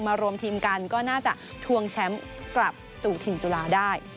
รวมทีมกันก็น่าจะทวงแชมป์กลับสู่ถิ่นจุฬาได้